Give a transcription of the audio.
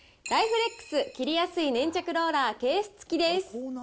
レックス切りやすい粘着ローラーケース付きです。